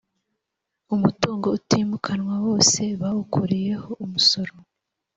umutungo utimukanwa wose bawukuriyeho umusoro